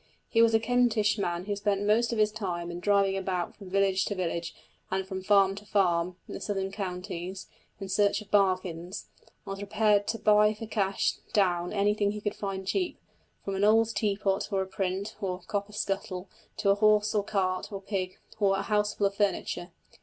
He was a Kentish man who spent most of his time in driving about from village to village, and from farm to farm, in the southern counties, in search of bargains, and was prepared to buy for cash down anything he could find cheap, from an old teapot, or a print, or copper scuttle, to a horse, or cart, or pig, or a houseful of furniture.